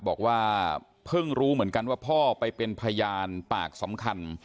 บอกว่าเพิ่งรู้เหมือนกันว่าพ่อไปเป็นพยานปากสำคัญ